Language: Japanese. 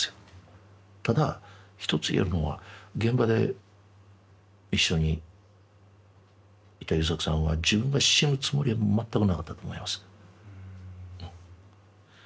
ただ一つ言えるのは現場で一緒にいた優作さんは自分が死ぬつもりは全くなかったと思いますうん。